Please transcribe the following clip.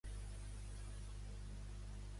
“Trau la llengua! El valencià, cosa de totes i tots!”.